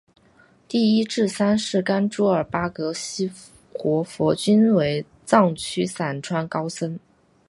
第一至三世甘珠尔巴格西活佛均为藏区散川高僧。